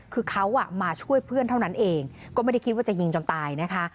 คือเขามาช่วยเพื่อนเท่านั้นเองก็ไม่ได้คิดว่าจะยิงจนตายนะคะ